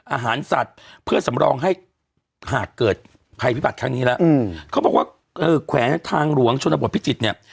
อาหารสัตว์เพื่อสำรองให้หากเกิดภัยพิบัติครั้งนี้แล้วเขาบอกว่าเออแขวงทางหลวงชนบทพิจิตรเนี่ย